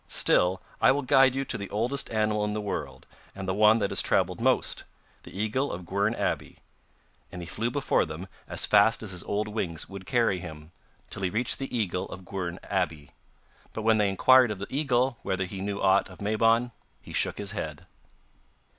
Still, I will guide you to the oldest animal in the world, and the one that has travelled most, the eagle of Gwern Abbey.' And he flew before them, as fast as his old wings would carry him, till he reached the eagle of Gwern Abbey, but when they inquired of the eagle whether he knew aught of Mabon he shook his head.